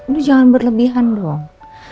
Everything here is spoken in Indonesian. lu jangan berlebihan dong